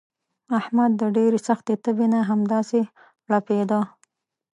احمد د ډېرې سختې تبې نه همداسې ړپېدا.